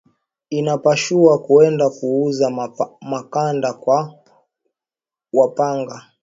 Inapashua ku enda ku uza mkanda kwa wa pango